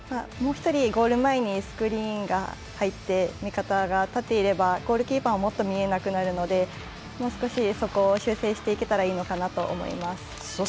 もう１人、ゴール前にスクリーンが入って味方が立っていればゴールキーパーはもっと見えなくなるのでもう少しそこを修正していけたらいいのかなと思います。